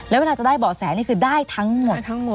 แล้วเวลาจะได้เบาะแสนี่คือได้ทั้งหมด